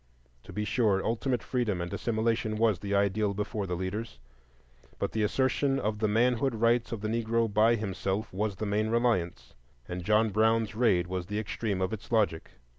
To be sure, ultimate freedom and assimilation was the ideal before the leaders, but the assertion of the manhood rights of the Negro by himself was the main reliance, and John Brown's raid was the extreme of its logic.